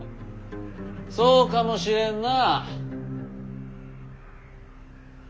そうかもしれんな。